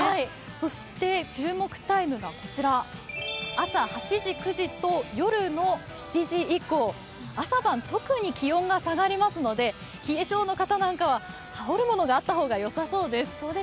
そして注目タイムがこちら、朝８時、９時と夜の７時以降朝晩、特に気温が下がりますので冷え性の方なんかは羽織るものがあった方がよさそうです。